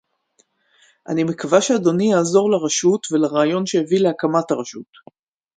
אני מקווה שאדוני יעזור לרשות ולרעיון שהביא להקמת הרשות